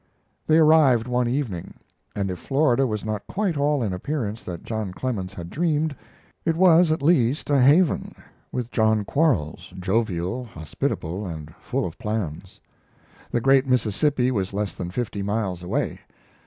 They arrived one evening, and if Florida was not quite all in appearance that John Clemens had dreamed, it was at least a haven with John Quarles, jovial, hospitable, and full of plans. The great Mississippi was less than fifty miles away.